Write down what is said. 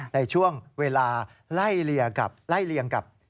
ในช่วงเวลาไล่เลี่ยงกับ